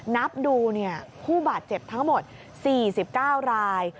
นับดูผู้บาดเจ็บทั้งหมด๔๙ราย